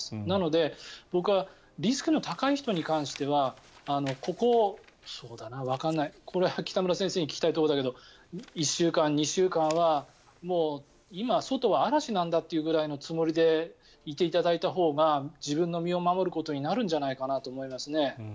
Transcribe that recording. なので、僕はリスクの高い人に関してはここわかんないこれは北村先生に聞きたいところだけど１週間、２週間は今、外は嵐なんだというぐらいのつもりでいていただいたほうが自分の身を守ることになるんじゃないかなと思います。